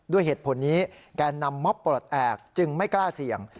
ด้วยเหตุผลนี้แกนนำม็อบปลดแอบจึงไม่กล้าเสี่ยง